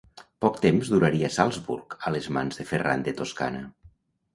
Poc temps duraria Salzburg a les mans de Ferran de Toscana.